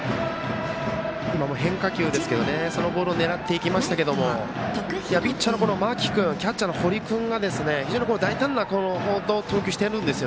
今も変化球ですけどそのボールを狙っていきましたがピッチャーの間木君キャッチャーの堀君が非常に大胆な投球をしてるんです。